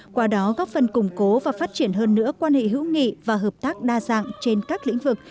qua đó góp phần củng cố và phát triển hơn nữa quan hệ hữu nghị và hợp tác đa dạng trên các lĩnh vực